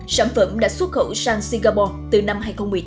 sản phẩm đã xuất khẩu sang singapore từ năm hai nghìn một mươi tám